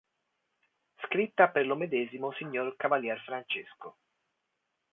Scritta per lo medesimo Sig. Cavalier Francesco.